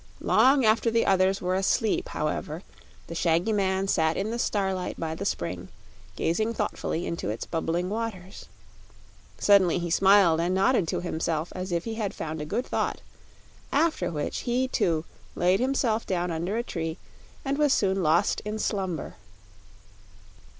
Long after the others were asleep, however, the shaggy man sat in the starlight by the spring, gazing thoughtfully into its bubbling waters. Suddenly he smiled and nodded to himself as if he had found a good thought, after which he, too, laid himself down under a tree and was soon lost in slumber.